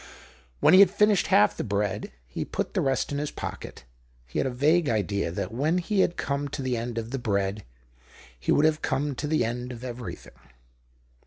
Wlien he had finished half the bread, he put the rest in his pocket. He had a vague idea that when he had come to the end of the bread, he would have come to the end of everything.